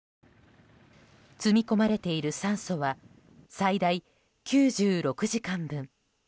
積み込まれている酸素は最大９６時間分。